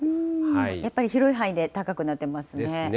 やっぱり広い範囲で高くなってますね。ですね。